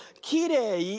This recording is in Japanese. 「きれい」！